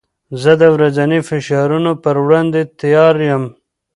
زه د ورځني فشارونو پر وړاندې تیار یم.